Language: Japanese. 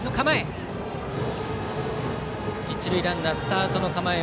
一塁ランナー、スタートの構え。